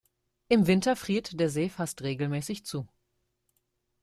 Im Winter friert der See fast regelmäßig zu.